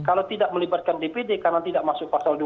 kalau tidak melibatkan dpd karena tidak masuk pasal dua puluh